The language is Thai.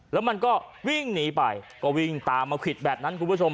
แล้วมันก็วิ่งหนีไปก็วิ่งตามมาควิดแบบนั้นคุณผู้ชม